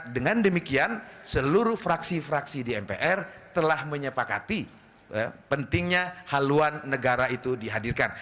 dengan demikian seluruh fraksi fraksi di mpr telah menyepakati pentingnya haluan negara itu dihadirkan